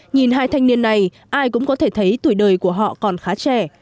nhìn hai thanh niên này ai cũng có thể thấy tuổi đời của họ còn khá trẻ